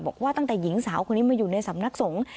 บอกว่าตั้งแต่หญิงสาวคนนี้มาอยู่ในสำนักสงฆ์